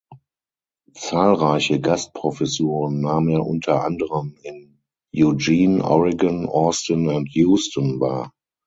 Zahlreiche Gastprofessuren nahm er unter anderem in Eugene, Oregon, Austin und Houston wahr.